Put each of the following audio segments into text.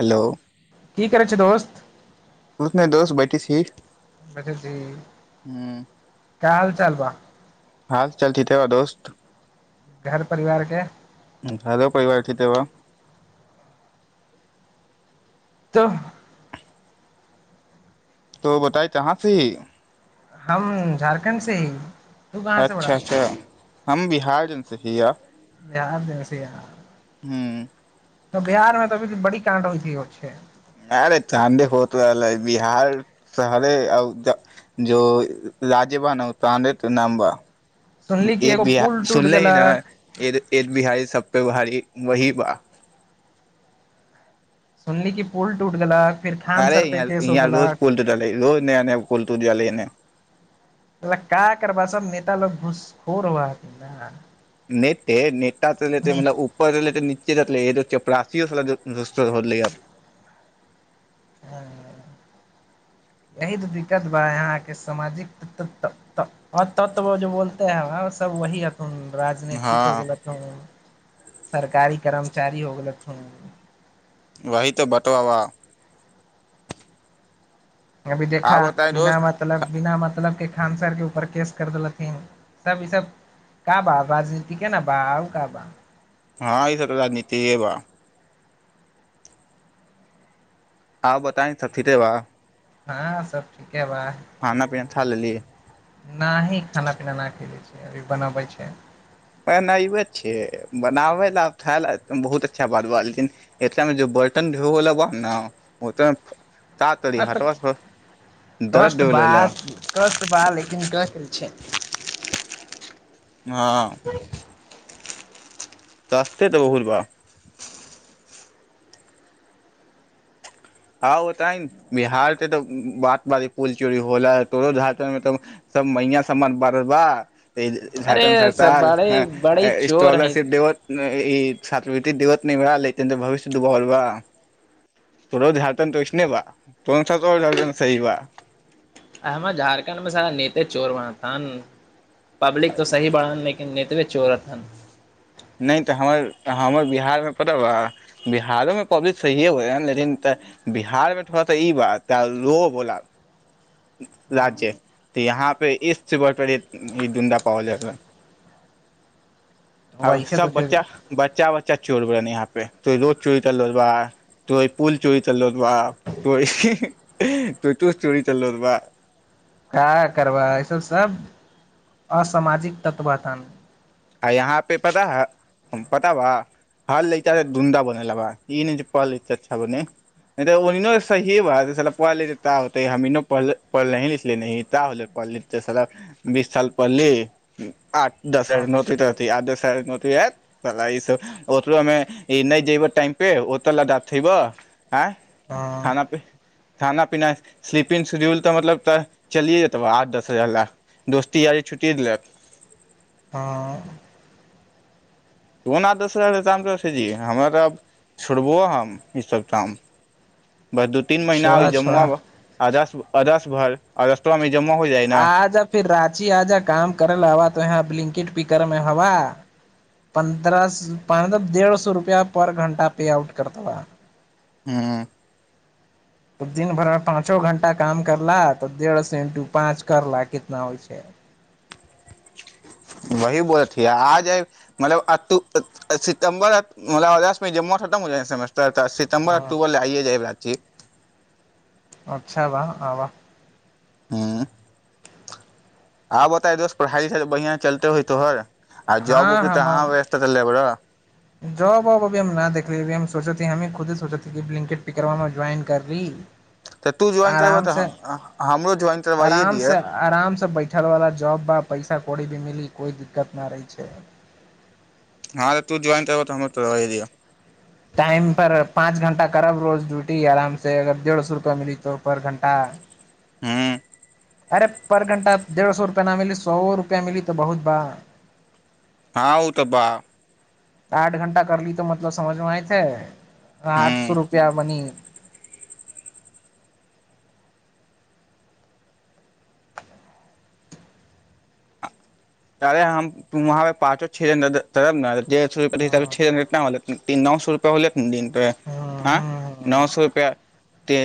Hello की करै छै दोस्त उने दोस्त बैठी छी बजेबहि का हाल चाल बा हाल चाल ठिके बा दोस्त घर परिवारके घरो परिवार थिके बा त तो बताए तहाँ ति हम झारखण्ड से ही तू कहाँ से बड़ा अच्छा अच्छा हम बिहार जनसँ हीया यार जय सिया राम हूँ त बिहार मे तऽ अी बड़ी कांड हो छै ओ छै अरे चाँदे होत रहलै बिहार शहरे ज जो राज्यभन ओ चाँदे त नाम बा सुनली कि एक एगो बिहा पुल टूट सुनले हई ना गेलक एद एक बिहारी सब बिहारी वही बा सुनली कि पुल टुट गेलक, फिर खान अरे सर पे य केस हो यहाँ रोज गेलक पुल टुटै लै लोज नया नया पुल टूट जाइ लई एन्ने। का करबा सब नेता लोग घुसखोर होअ अथि ना। हेरे हता देते ने त, ऊपर लेते नीचा इतै लेट चपरासी साला दोसर दे देलैन हँ। ह यही त दिक्कत बा यहाँके समाजिक त त त तत् बोलते है सब वहीइतै लेट चपरासी साला दोसर दे देलैन हँ। राजनैतिक हो हँ गेलक हा सरकारी कर्मचारी हो गेलक हा वही तऽ बतबा बा अभी देखा आ बताएं बिना दोस्त मतलब बिना मतलब के खान सरके ऊपर केस करि देलथिन सब ईस का बा राजनीतीके ने बा आउ का बाइतै लेट चपरासी साला दोसर दे देलैन हँ। हँ ईसभ तऽ राजनीतिए बा आउ बताई सब थिके बा हँ सब ठीके बा खाना पीना था लेलहि नाही खाना पीना ना खैले छी अभी बनाबै छै बनाबै छे बनाबै ला खा ला बहुत अच्छा बात बा लेकिन ए बर्तन धोबे ला बा नइतै लेट चपरासी साला दोसर दे देलैन हँ। आ तऽ दर्द कष्ट देबेला बात कष्ट बा लेकिन कष्ट छै न रास्ते तऽ बहुलबा का बताईन बिहार के त बात बारी पुल चोरी होइला तोरो झारखंड मे सब मैया समान बरबा इ अरे झारखंड सब सरकार बड़े बड़े चोर है स्कॉलरशिप देबत नए ई छात्रवृ्ति दैबत नहि बा लेकिन त भविष्य डुबोल बा तोरो झारखंड त ओयसने बा तोन सा तोहर झारखंड सही बा अह हमर झारखण्ड में सारा नेते चोर बनत हन पब्लिक त सही बड़ान लेकिन नेत अरे चौराथन नहि तऽ हमर हमर बिहारमे पता बिहारोमे पब्लिक सहिए होै हन लेकिन तऽ बिहारमे थोड़ा सा ई बात तऽ रो बोलाब राज्य तऽ यहाँ एक से बढ़ कर एक ई धुंडा पावल जातन आ वैसे तऽ सब फेर बच्चा बच्चा चोर यहा पे तो चोरी चला तो पुल चोरी चलो बापरे हि- हि एह तो चोरी चललोत बा का करबह इसभ सभ असामाजिक तत्वा तन यहा पे पता ह पता बा हल ले गुंडा बनलेबा इने जे पढ़ त अच्छा बने नइत बोलने त सहिए बासेेे बीस साल पढ़ली आठ दस हँ नौ [unintelligible] ऐं हँ थाना पे खाना पीना स्लीपिंग शिड्यूल तऽ मतलब तऽ चलिए जेतबह आठ दस हजार लए दोस्तीयारी छुटिए गेलए हँ कोना दोसर के काम कतसे दियै हमरा तऽ आब छोड़बो हम ई सब काम बस दू तीन महिना आ छोड़ा जमा छोड़ा वला आबि जाय छौ अदस भर आ रस्तोमे आ जा फिर रात पची आज काम करल हवा तो यहाँ ब्लिंकेट पीकरमे हवा पन्द्रह पान तँ डेढ़ सौ रुपैआ पर घण्टवा पेआउट करतबा हँ तऽ दिन भरिमे पाँचो घंटा काम करला तऽ डेढ़ सेंटू पाँच करला कितना होइ छै वही बोलत हिया आ जाइब मतलब अ तु क सितम्बर मतलब अगस्त मे जमवा खत्म हो जाइ सेमेस्टर तऽ तऽ सितम्बर हँ अक्टूबर ले आइ जेबइ चेत अच्छा वाह आबह ह आब बताय दोस्त पढ़ाई लिखाई तऽ बढियां चलिते होइ तोहर आ जबपर तऽ अहाँ व्यस्त रहले बारय जाॅब अब अभी हम न देखले रहि हम सोचैत हम खुदे सोचैत हीं बिल्किंट पर करब ज्वाइन करलीं तऽ तू ज्वाइन करबह आराम से तऽ हमरो ज्वाइन करबाइए आराम दिह से आराम से बैठल वाला जॉब बा पैसा कोई भी मिली कोई दिक्कत ना रहय छै हँ तऽ तू ज्वाइन करबोहो तऽ हमरो करवाए दिअ टाइम पर पाँच घंटा करब रोज ड्यूटी आराम से अगर डेढ़ सए रुपया मिली तऽ पर घण्टा हुं अरे पर घण्टा डेढ़ सौ रुपया न मिली सौ रुपया मिली तऽ बहुत बा हा ऊ तऽ बा आठ घण्टा कर ली तऽ मतलब समझमे आइल छै आठ सौ हूँ रुपया बनी तरे हम तुम्हारे पाछे छे ने तरब नदते [unintelligible] छें से हँ छे कितना होलइ [unintelligible] तीनौ सौ रुपैया होलै दिन पे हँ ऐं हँ नौ सौ रुपया त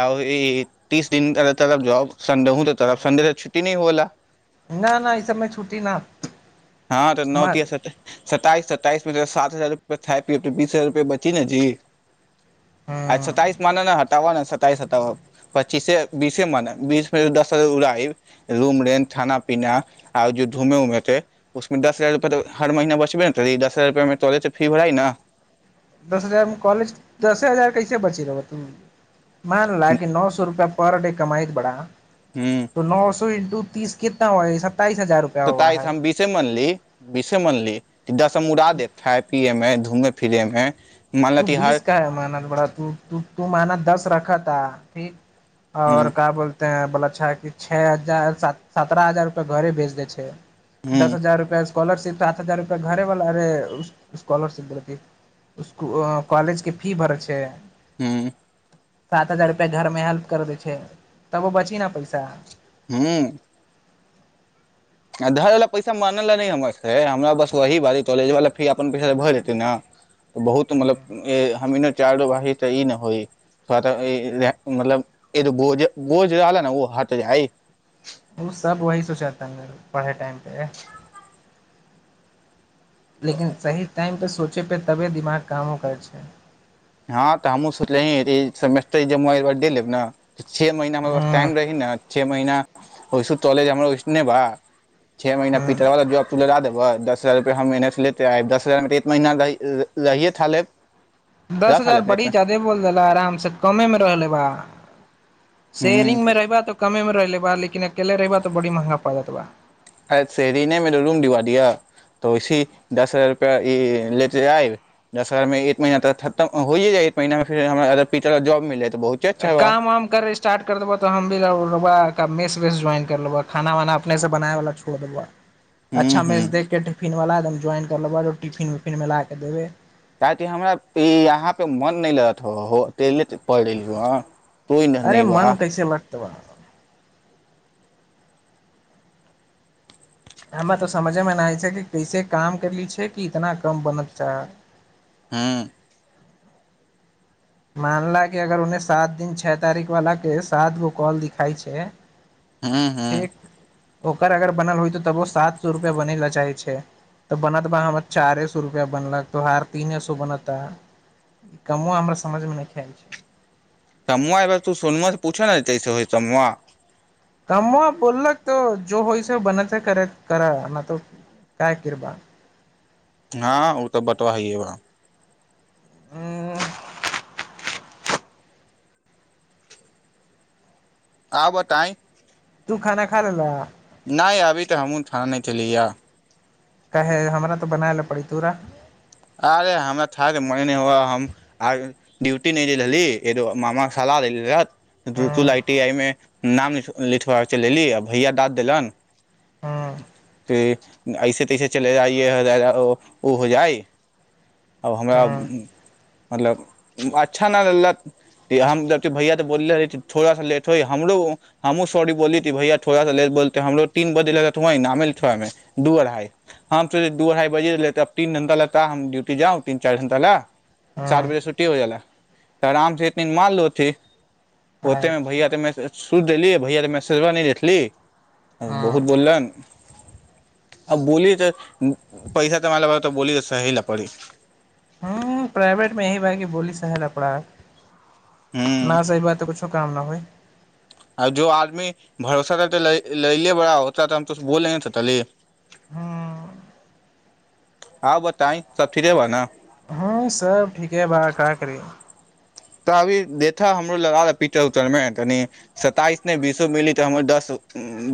आ ई तीस दिन करब जॉब संडे हू कऽ करब संडे के छुट्टी नहि होला [inaudible] न न ई सबमे छुट्टी न हँ तऽ न मान तीस हेतै सत्ताइस सत्ताइस मे सात हजार रुपया खाय पिऐ तऽ बीस हजार रुपया बचि ने जी अई सताइस हँ मान ने हटाव न सताइस स पच्चीसे बीसे मानअ् बीस मे दस उड़ाही रूम रेन्ट थाना पीना आर जे धूमे उमे ते उसमे दस हजार रुपैआ तऽ हर महीना बचबे ने तरी दस हजार रुपैया में तऽ फी भरा ह ने दस हजारमे कॉलेज दसे हजार कैसे बचे देब तु मान ल कि नौ सौ रुपया पर डे कमाइ त बढ़ाह हूँ तऽ नओ सए इन्टू तीस कितना हुआ रिसभ सताइस हम बीसे मनली बीसे मनली दस हम उड़ा देब हम थाय पीये मे घूमे फिरे में तू बीस काहे मेनत बड़ा तू तू तू माना दस रखा त ठीक आओर हूँ का बोलत त बोला छा कि छे हजार सत्रह हजार रुपआ घरे भेज देै छै हूँ दस हजार रुपैआ स्कॉलरशिप साठ हजार रुपए घरे बाला रे स्कॉलरशिप देलकै अं अं कॉलेज के फी भरक छै हूं सात हजार रुपआ घरमे हेल्प कर दै छै तब ओ बची न पैसा हूं आ घर वला पैसा मांगल नहि हमरा से हमरा बस वही बा कॉलेज वाला फी अपन पैसा से त भऽ जेतै न बहुत मतलब हम इने चालु भऽ जाइत तऽ ई न होइ उ मतलब एगो बोझ बोझ होला न हट जाइ ओ सब वही सोचाता हमरा पढ़ाई टाइम एह लेकिन सही टाइम पर सोचे पे तबे दिमाग कामो करय छै हँ तऽ हमहूँ सोचले ही सेमेस्टर जे मोबाइल दे लेब न छ महीना हमरा पास टाइम हूँ रही न छ महीना ओहिसु कॉलेज हमरो ओहिसने बा छ महीना पिटरवा वला जॉब तू लगा देबह दस हम एन लेै आ दस हजारमे तऽ एक महीना रहिए था लेब दस रह था हजार लेब ने बड़ी ज्यादे बोल देला आरामसे कमेमे रहले बा शेयरिंग मे ह रहबा तऽ कमे मे रह लेब लेकिन अकेले रहबा तऽ बड़ी महंगा पड़त बा शेयरिंग मे रूम दिलवा दिय तऽ वैसेही दस हजार आ रूपा लेत आइब दस हजार मे एक महीना तऽ खतम होेई जाय एक महीना मे फिर पीछे वला जॉब मिल जाइ काम वाम कर स्टार्ट कर देबो तऽ हम भी रहल बा मेसवेस ज्वाइन कर लेब खाना वाना अपने से बनाय वाला छोड़ देब हूँ अच्छा हूँ मेज देख के टफिन वाला एकदम [unintelligible] ज्वइन कर लेबै टिफिन उफिन मे लााक के देबे [unintelligible] ताकि हमरा पि यहाँ पे मन नहि लगत होअ हो तहिले पड़िल वा तोइ नहि नहि बा [unintelligible] उतवाय [unintelligible] हमे तऽ समझेमे नहि छै कि कैसे काम करली छै कि इतना कम बनत च हां [inaudible] मामला केँ अगर उनि सात दिन छ तारीख वालाकेँ सात गो कॉल दिखाई छैक हँ हँ ओकर अगर बनल होइत तबो सात सए रुपैआ बनै लए चाहै छै तऽ बनत बा हमर चारे सए रुपैआ तोहार तीने सए बनता कमो हमरा समझमे नहिखे आयल छैक। समुआर तू सोनुआ से पूछ ने तैसे होइ समुआ [unintelligible] कम बोललक तो जो होइ से बनते कर कर न तो कै करबौ हँ ओ तऽ बतबा हए बा ह [unintelligible] [inaudible] आउर बताइँ तू खाना खा लेलह नहि अभी तऽ हमहूँ थान नहि छलिय ह [unintelligible] कहैे हमरा तऽ बनाय लए पड़ै तोरा [unintelligible] अरे हमरा थाकके मन नहि ह हम आ ड्यूटी नहि द रहली एगो मामा सलाह लेल रहथि [unintelligible] ऋ तु हूं लइटी आइमे [unintelligible] नाम ल लिखबा चलली आ भैया दडाद देलन [unintelligible] हूँ [inaudible] ऐसे तैसे चले जाइए ओ हो जाइ अब हमरा हूं मतलब अच्छा नहि लत हम जब भैया तऽ बोले रही थोड़ा सा लेट होय हमरो हमहूँ सॉरी बोलली त कि भैया थोड़ा सा लेटोलते हमरो तीन बजे नामे ल हमे दू अढ़ाइ हम सोचे दू अढ़ाइ बजिे तऽ तब तीन घंटा लगत त हम डूटी जाउ तीन चारि घण्टा ला चार हूं बजे छुट्टी हो जाला तऽ आराम से इतने मारलोथे। होते मे अच्छा भैया तऽमे [unintelligible] सु देली भैया के मसेजबा नहि देखली बहुत हँ बोललन। आ बोलय त पैसा तऽ म ब तऽ बोल [unintelligible] सहीला पड़ी [unintelligible] सहल हपड़ा [unintelligible] ह न सही बात तऽ कुछ शुभकामना होइ आ जो आदमी भरोसा रह त लयले बड़ा होता तऽ हम तूछ बोले तोतली [unintelligible] हूॅं [inaudible] आ बताइ सब ठीके बानू हँ सब ठीके बात का करि। तऽ अभी देख हमरो लड़ा पीचर उचर मे तनी सताइस नइ बीसो मिली तऽ हमर दस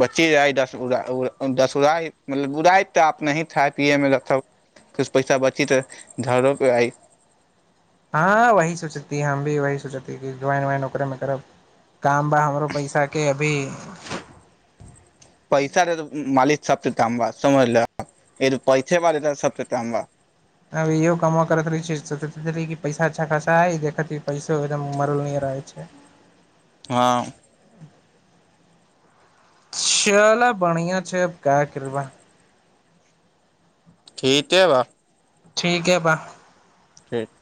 बच्चीइये जाइ दस उड़ा मतलब उड़ाइतऽ आप नहि खााय पियए मे रखब किछ पैसा बची त घरो पे आइ [unintelligible] हँ वही सोचती हम भी वही सोचती कि ज्वाइन वाइन ओकरेमे करब काम बा हमरो पैसा के अभी पैसा रहय मालिक सबके तामबा समझल एगो पैसे वा सबके काम बा अ यो कमा के रख देय छिये सोचत छिये पैसा अच्छा खासा अइ देखत हिये पैसो एकदम मरल नहि रहै छै हँ चल बढ़िया छै अब का करबा ठिके बा ठीके बा ठीक